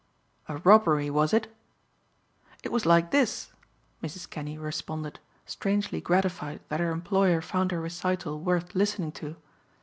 "A robbery was it?" "It was like this," Mrs. Kinney responded, strangely gratified that her employer found her recital worth listening to.